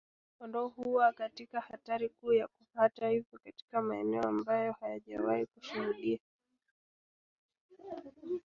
kondoo huwa katika hatari kuu ya kufa Hata hivyo katika maeneo ambayo hayajawahi kushuhudia